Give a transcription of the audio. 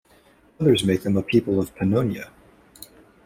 Others make them a people of Pannonia.